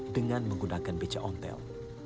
dengan menggunakan becak motor